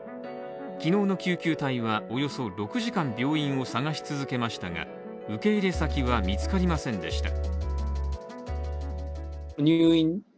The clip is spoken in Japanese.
昨日の救急隊はおよそ６時間病院を探し続けましたが受け入れ先は見つかりませんでした。